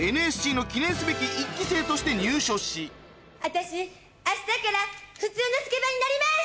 ＮＳＣの記念すべき１期生として入所し私明日から普通のスケバンになります！